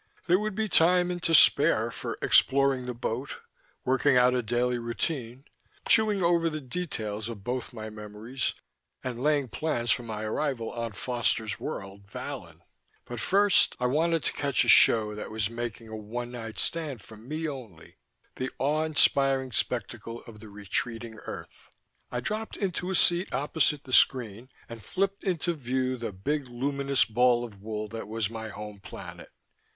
There would be time and to spare for exploring the boat, working out a daily routine, chewing over the details of both my memories, and laying plans for my arrival on Foster's world, Vallon. But first I wanted to catch a show that was making a one night stand for me only: the awe inspiring spectacle of the retreating earth. I dropped into a seat opposite the screen and flipped into view the big luminous ball of wool that was my home planet.